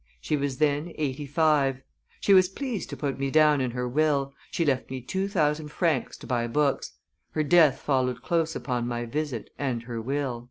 She was then eighty five. She was pleased to put me down in her will; she left me two thousand francs to buy books; her death followed close upon my visit and her will."